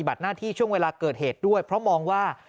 หน้าที่ช่วงเวลาเกิดเหตุด้วยเพราะมองว่า